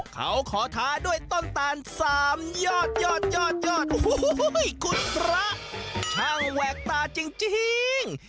เขาขอท้าด้วยต้นตาล๓ยอดยอดโอ้โหคุณพระช่างแหวกตาจริง